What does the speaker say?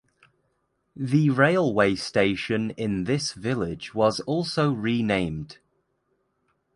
The railway station in this village was also renamed.